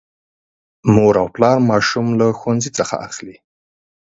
مور او پلا ماشوم له ښوونځي څخه اخلي.